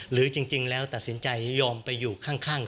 หรือจริงแล้วตัดสินใจยอมไปอยู่ข้าง